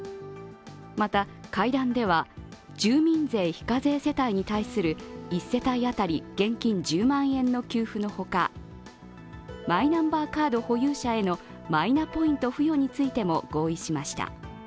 また、会談では住民税非課税世帯に対する１世帯当たり現金１０万円の給付の他、マイナンバーカード保有者へのマイナポイント付与についても合意しました。